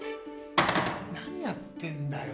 何やってんだよ